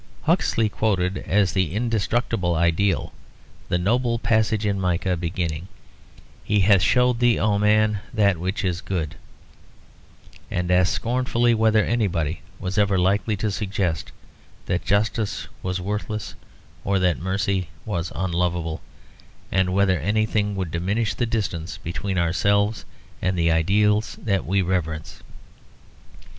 Huxley quoted as the indestructible ideal the noble passage in Micah, beginning "He hath shewed thee, O man, that which is good"; and asked scornfully whether anybody was ever likely to suggest that justice was worthless or that mercy was unlovable, and whether anything would diminish the distance between ourselves and the ideals that we reverence.